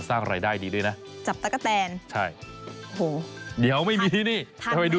ร้องได้ท่อนเดียวด้วย